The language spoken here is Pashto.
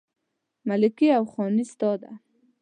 ملکي او خاني ستا ده